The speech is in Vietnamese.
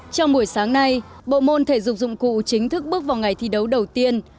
trong buổi sáng nay bộ môn thể dục dụng cụ chính thức bước vào ngày thi đấu đầu tiên